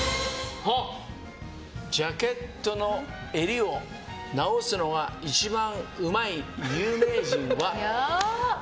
ジャケットの襟を直すのが一番うまい有名人は？